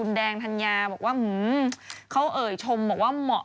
แล้วไม่ใช่แต่เฉพาะมิ้งนะ